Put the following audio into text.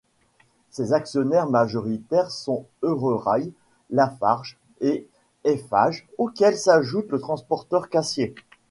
Ses actionnaires majoritaires sont Eurorail, Lafarge et Eiffage, auquel s'ajoute le transporteur Cassier.